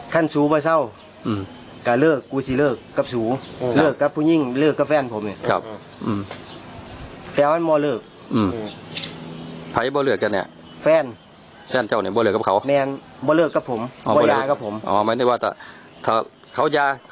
แต่ทีนี้เรื่องของข้อกฎหมาย